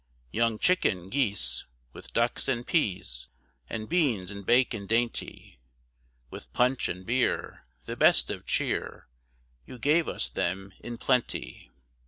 Young chicken, geese, With ducks and pease, And beans and bacon dainty; With punch and beer, The best of cheer, You gave us them in plenty.